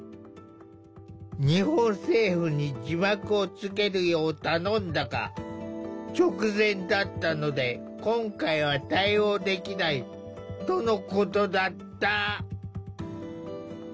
日本政府に字幕をつけるよう頼んだが「直前だったので今回は対応できない」とのことだった。